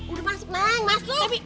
udah masuk neng masuk